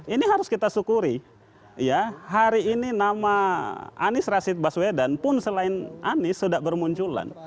ini harus kita syukuri ya hari ini nama anies rashid baswedan pun selain anies sudah bermunculan